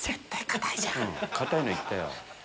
硬いの行ったよ。